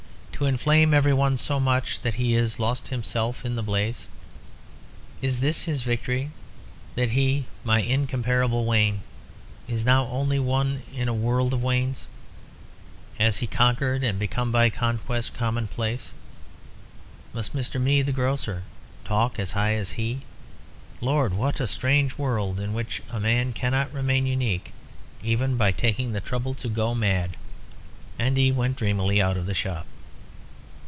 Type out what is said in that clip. "To inflame every one so much that he is lost himself in the blaze. Is this his victory that he, my incomparable Wayne, is now only one in a world of Waynes? Has he conquered and become by conquest commonplace? Must Mr. Mead, the grocer, talk as high as he? Lord! what a strange world in which a man cannot remain unique even by taking the trouble to go mad!" And he went dreamily out of the shop.